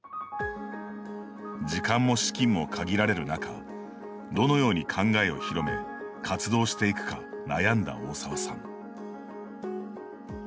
時間も資金も限られる中どのように考えを広め活動していくか悩んだ大澤さん。